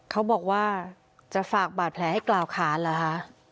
เขาบอกว่าจะฝากบาดแผลให้กล่าวขาเหรอคะ